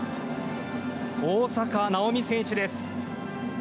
大坂なおみ選手です。